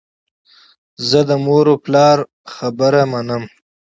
زه د مور و پلار اطاعت کوم.